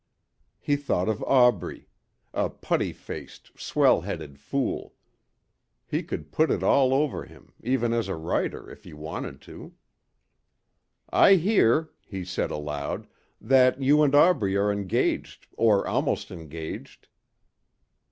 He thought of Aubrey. A putty faced, swell headed fool. He could put it all over him, even as a writer, if he wanted to. "I hear," he said aloud, "that you and Aubrey are engaged or almost engaged."